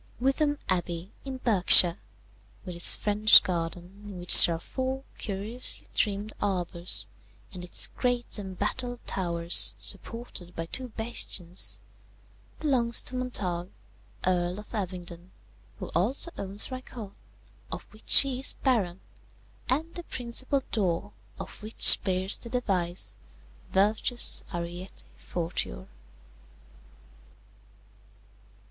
"Wytham Abbey, in Berkshire, with its French garden in which there are four curiously trimmed arbours, and its great embattled towers, supported by two bastions, belongs to Montague, Earl of Abingdon, who also owns Rycote, of which he is Baron, and the principal door of which bears the device Virtus ariete fortior.